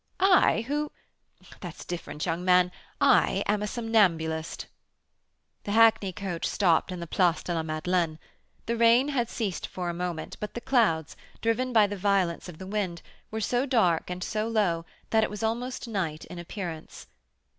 "I, who That's different, young man; I am a somnambulist." The hackney coach stopped in the Place de la Madelaine. The rain had ceased for a moment, but the clouds, driven by the violence of the wind, were so dark and so low, that it was almost night in appearance.